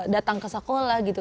datang ke sekolah gitu